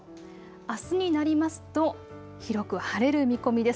あすになりますと広く晴れる見込みです。